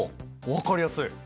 分かりやすい。